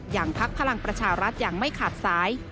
อย่างพักฐานพลังประชาเร็จอย่างไม่ขาดสาย